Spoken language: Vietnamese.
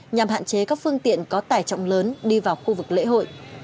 nhằm hạn chế các phương tiện có tải trọng lớn đi vào khu vực lễ hội